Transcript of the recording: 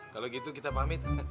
kalau gitu kita pamit